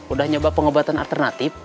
udah nyoba pengobatan alternatif